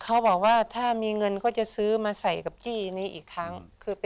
เขาบอกว่าถ้ามีเงินก็จะซื้อมาใส่กับจี้นี้อีกครั้ง